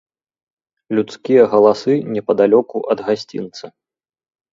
Людскія галасы непадалёку ад гасцінца.